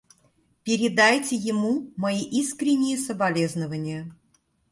Передайте ему мои искренние соболезнования.